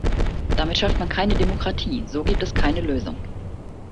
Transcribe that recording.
Damit schafft man keine Demokratie, so gibt es keine Lösung.